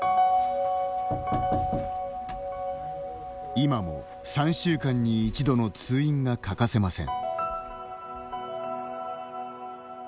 今も３週間に１度の通院が欠かせません。